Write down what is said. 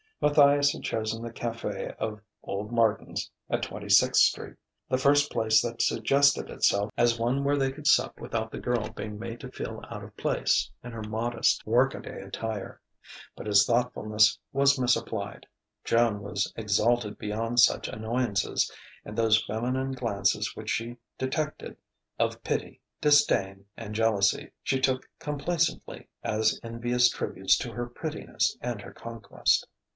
Matthias had chosen the café of "Old Martin's," at Twenty sixth Street, the first place that suggested itself as one where they could sup without the girl being made to feel out of place in her modest work a day attire; but his thoughtfulness was misapplied: Joan was exalted beyond such annoyances; and those feminine glances which she detected, of pity, disdain, and jealousy, she took complacently as envious tributes to her prettiness and her conquest.